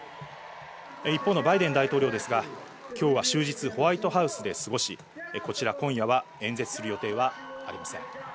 一方のバイデン大統領ですが、今日は終日、ホワイトハウスで過ごし、こちら今夜は演説する予定はありません。